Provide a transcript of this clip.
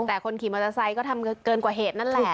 แต่คนขี่มอเตอร์ไซค์ก็ทำเกินกว่าเหตุนั่นแหละ